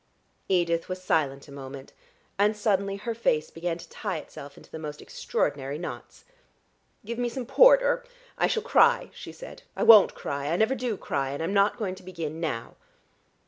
Edith was silent a moment, and suddenly her face began to tie itself into the most extraordinary knots. "Give me some port or I shall cry," she said. "I won't cry; I never do cry and I'm not going to begin now."